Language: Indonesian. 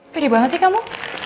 pedih banget sih kamu